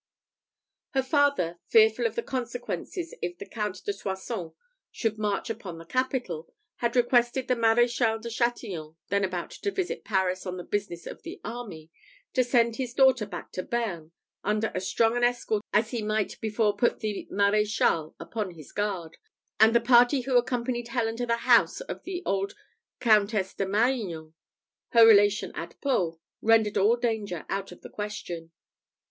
Her father, fearful of the consequences if the Count de Soissons should march upon the capital, had requested the Maréchal de Chatillon, then about to visit Paris on the business of the army, to send his daughter back to Bearn, under as strong an escort as he night before put the Maréchal upon his guard; and the party who accompanied Helen to the house of the old Countess de Marignan, her relation at Pau, rendered all danger out of the question.